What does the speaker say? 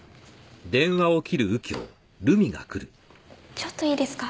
ちょっといいですか？